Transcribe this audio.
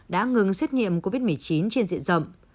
đã ngừng xét nghiệm covid một mươi chín trên diện rộng